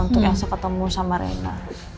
untuk elsa ketemu sama rena